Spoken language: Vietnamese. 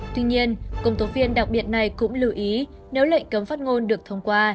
tuy nhiên công tố viên đặc biệt này cũng lưu ý nếu lệnh cấm phát ngôn được thông qua